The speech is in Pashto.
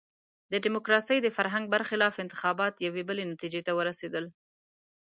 د ډیموکراسۍ د فرهنګ برخلاف انتخابات یوې بلې نتیجې ته ورسېدل.